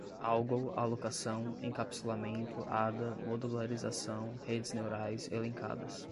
algol, alocação, encapsulamento, ada, modularização, redes neurais, elencadas